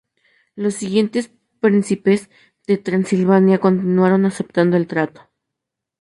Los siguientes príncipes de Transilvania continuaron aceptando el tratado.